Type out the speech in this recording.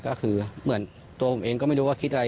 ก็คือเหมือนตัวผมเองก็ไม่รู้ว่าคิดอะไร